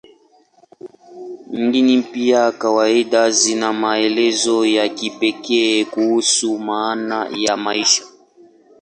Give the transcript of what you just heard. Dini mpya kawaida zina maelezo ya kipekee kuhusu maana ya maisha.